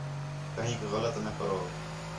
کہنیک غلط نہ کرو